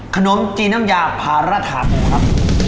ขนมจีนน้ำยาพาระถากูครับ